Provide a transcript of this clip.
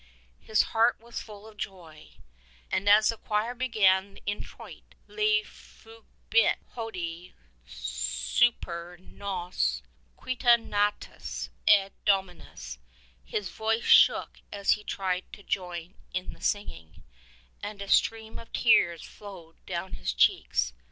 His heart was full of joy, and as the choir began the Introit — Lux fulgehit hodie super nos: quia natus est Dominus — his voice shook as he tried to join in the singing, and a stream of tears flowed down his cheeks.